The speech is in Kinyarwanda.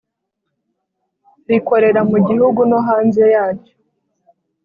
rikorera mu gihugu no hanze yacyo.